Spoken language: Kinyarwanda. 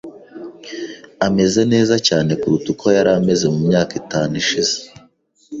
Ameze neza cyane kuruta uko yari ameze mu myaka itanu ishize.